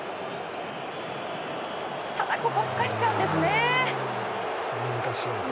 ただ、ここふかしちゃうんですね。